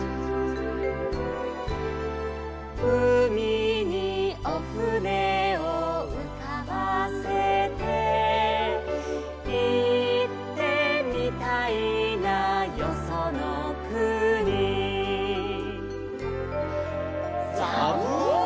「うみにおふねをうかばせて」「いってみたいなよそのくに」ザブン！